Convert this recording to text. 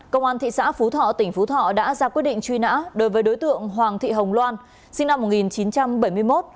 công an thị xã phú thọ tỉnh phú thọ đã ra quyết định truy nã đối với đối tượng hoàng thị hồng loan sinh năm một nghìn chín trăm bảy mươi một